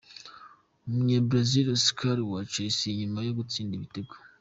UmunyaBresil Oscar wa Chelsea nyuma yo gutsinda igitego.